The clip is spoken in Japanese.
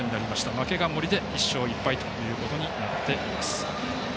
負けが森で１勝１敗となっています。